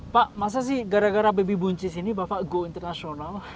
pak masa sih gara gara baby buncis ini bapak go internasional